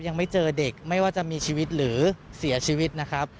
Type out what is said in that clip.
ยังไม่เจอเด็กไม่ว่าจะมีชีวิตหรือเสียชีวิตนะครับ